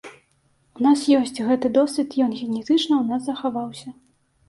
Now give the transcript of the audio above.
У нас ёсць гэты досвед, ён генетычна ў нас захаваўся.